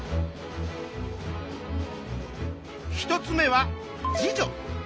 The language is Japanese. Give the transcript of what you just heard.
１つ目は自助。